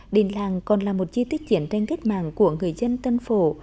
đình làng còn là một chi tiết chiến tranh kết mạng của người dân tân phổ